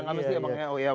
gak mesti ya bang